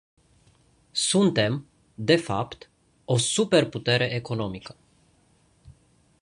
Suntem, de fapt, o superputere economică.